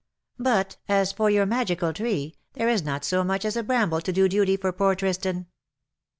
" But as for your magical tree, there is not so much as a bramble to do duty for poor Tristan.